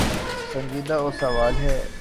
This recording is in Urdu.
سنجیدہ سوال ہے۔